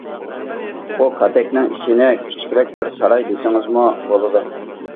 بۇ كاتەكنىڭ ئىچىنى كىچىكرەك بىر ساراي دېسىڭىزمۇ بولىدۇ.